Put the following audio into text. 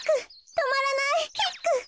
とまらないヒック。